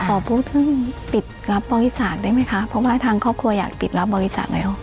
ขอพูดถึงปิดรับบริจาคได้ไหมคะเพราะว่าทางครอบครัวอยากปิดรับบริจาคแล้ว